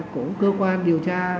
cổ cơ quan điều tra